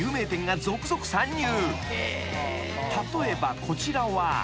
［例えばこちらは］